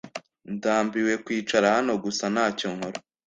Ndambiwe kwicara hano gusa ntacyo nkora.